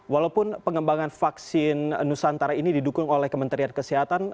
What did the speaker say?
walaupun pengembangan vaksin nusantara ini didukung oleh kementerian kesehatan